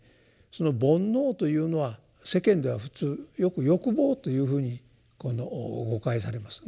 その煩悩というのは世間では普通よく欲望というふうに誤解されます。